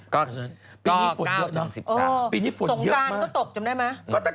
ก็๙จน๑๓ปีนี้ฝนเยอะมาก